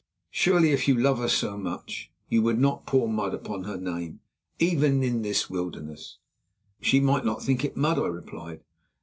Surely, if you love her so much, you would not pour mud upon her name, even in this wilderness?" "She might not think it mud," I replied.